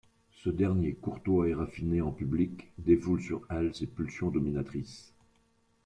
Ce dernier, courtois et raffiné en public, défoule sur elle ses pulsions dominatrices.